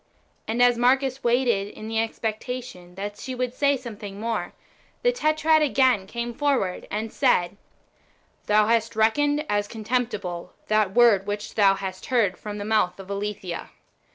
And as Marcus waited in the expectation that she would say something more, the Tetrad again came forward and said, " Thou hast reckoned as contemptible that word which thou hast heard from the mouth of Aletheia.